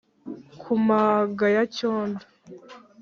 ku manga ya cyondo